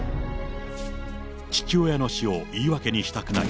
父親の死を言い訳にしたくない。